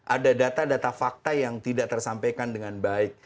ada data data fakta yang tidak tersampaikan dengan baik